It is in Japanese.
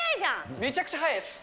めちゃくちゃ速いです。